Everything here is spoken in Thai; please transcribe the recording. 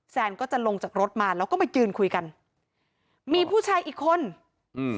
ก็จะลงจากรถมาแล้วก็มายืนคุยกันมีผู้ชายอีกคนอืม